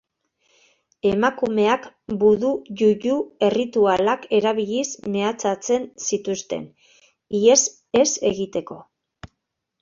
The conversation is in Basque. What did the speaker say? Emakumeak budu-yuyu erritualak erabiliz mehatxatzen zituzten, ihes ez egiteko.